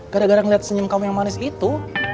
gara gara ngeliat senyum kamu yang manis itu